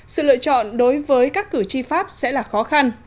sự lựa chọn đối với các cử tri pháp sẽ là khó khăn